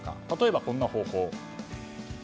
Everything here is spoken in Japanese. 例えば、こんな方法。